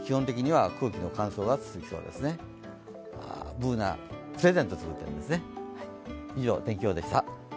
Ｂｏｏｎａ、プレゼント作ってるんですね。